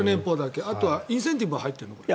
あとはインセンティブも入ってるの？